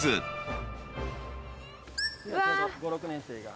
ちょうど５６年生が。